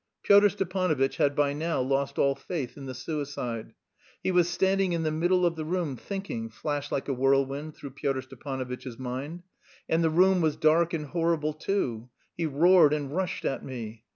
Pyotr Stepanovitch had by now lost all faith in the suicide. "He was standing in the middle of the room, thinking," flashed like a whirlwind through Pyotr Stepanovitch's mind, "and the room was dark and horrible too.... He roared and rushed at me.